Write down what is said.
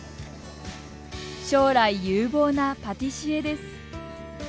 将来有望なパティシエです。